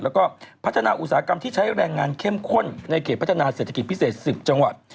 แล้วก็พัฒนาอุตสาหกรรมที่ใช้แรงงานเข้มข้นในเขตพัฒนาเศรษฐกิจพิเศษ๑๐จังหวัด